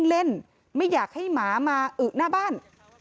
สวัสดีคุณผู้ชายสวัสดีคุณผู้ชาย